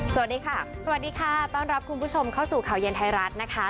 สวัสดีค่ะสวัสดีค่ะต้อนรับคุณผู้ชมเข้าสู่ข่าวเย็นไทยรัฐนะคะ